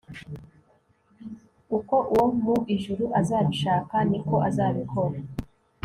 uko uwo mu ijuru azabishaka, ni ko azabikora